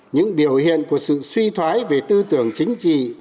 những biểu hiện của sự suy thoái về tư tưởng chính trị